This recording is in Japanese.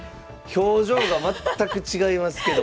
表情が全く違いますけども。